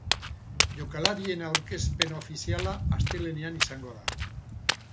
Jokalariaren aurkezpen ofiziala astelehenean izango da.